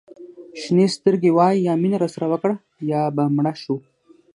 شینې سترګې وایي یا مینه راسره وکړه یا به مړه شو.